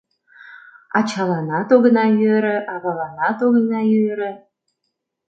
Ачаланат огына йӧрӧ, аваланат огына йӧрӧ.